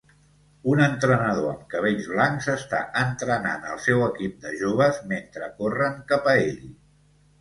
Un entrenador amb cabells blancs està entrenant el seu equip de joves mentre corren cap a ell.